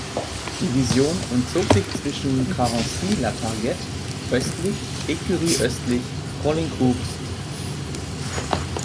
Division und zog sich zwischen Carency-La Targette-östlich Ecurie-östlich Roclincourt-St.